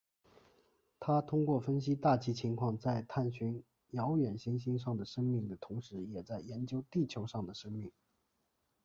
他通过分析大气情况在探寻遥远行星上的生命的同时也在研究地球上的生命。